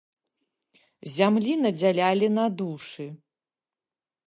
Зямлі надзялялі на душы.